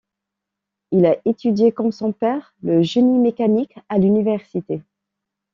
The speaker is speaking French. Il a étudié comme son père le génie mécanique à l'université.